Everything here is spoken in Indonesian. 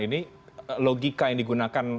ini logika yang digunakan